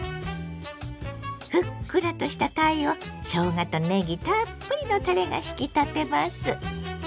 ふっくらとしたたいをしょうがとねぎたっぷりのたれが引き立てます。